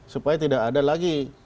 supaya tidak ada lagi